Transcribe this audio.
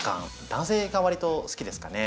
男性がわりと好きですかね。